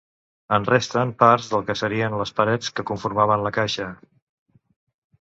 En resten parts del que serien les parets que conformaven la caixa.